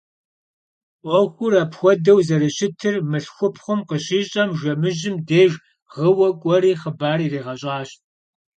'Uexur apxuedeu zerışıtır mılhxupxhum khışiş'em, jjemıjım dêjj ğıue k'ueri xhıbar yiriğeş'aş.